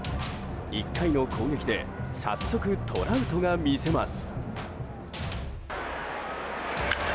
１回の攻撃で早速、トラウトが見せます。